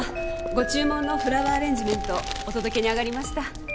ご注文のフラワーアレンジメントお届けに上がりました。